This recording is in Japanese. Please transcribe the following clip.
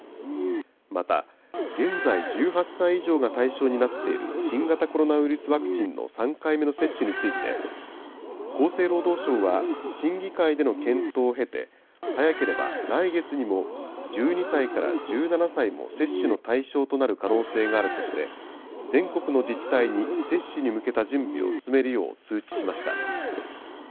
また現在１８歳以上が対象になっている、新型コロナウイルスワクチンの３回目の接種について、厚生労働省は、審議会での検討を経て、早ければ来月にも、１２歳から１７歳も接種の対象となる可能性があるとして、全国の自治体に接種に向けた準備を進めるよう通知しました。